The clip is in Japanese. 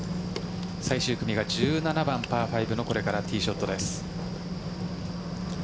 最終組が１７番、パー５のこれからティーショットです。